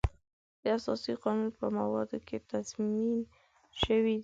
د اساسي قانون په موادو کې تضمین شوی دی.